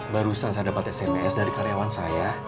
barusan saya dapat sms dari karyawan saya